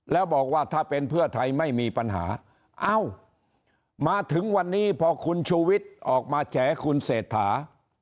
แล้วบอกว่าถ้าเป็นเพื่อไทยไม่มีปัญหาเอ้ามาถึงวันนี้พอคุณชูวิทย์ออกมาแฉคุณเศรษฐา